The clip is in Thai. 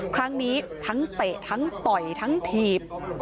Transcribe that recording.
ครั้งนี้ทั้งเตะทั้งต่อยทั้งถีบ